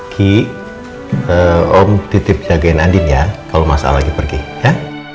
ki om titip jagain andin ya kalau mas al lagi pergi ya